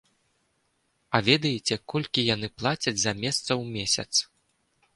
А ведаеце, колькі яны плацяць за месца ў месяц?